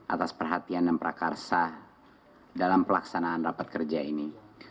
atas perhatian dan prakarsa dalam pelaksanaan rapat kerja ini